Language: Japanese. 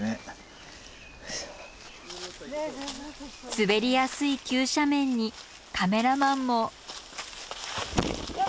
滑りやすい急斜面にカメラマンも。